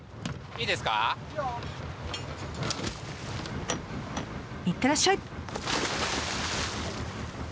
・いいよ。いってらっしゃい！